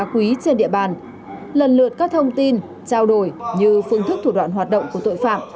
quý trên địa bàn lần lượt các thông tin trao đổi như phương thức thủ đoạn hoạt động của tội phạm